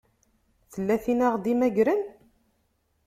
Tella tin ara ɣ-d-imagren?